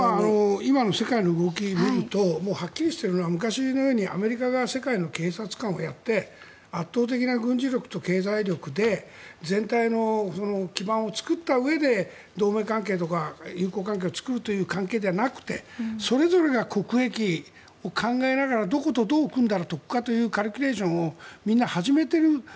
今の世界の動きを見るとはっきりしているのは昔のようにアメリカが世界の警察官をやって圧倒的な軍事力と経済力で全体の基盤を作ったうえで同盟関係とか友好関係を作るという関係ではなくてそれぞれが国益を考えながらどことどう組んだら得かというカルキュレーションをみんな始めてる。